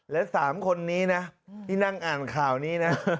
และ๓คนนี้นะที่นั่งอ่านข่าวนี้นะ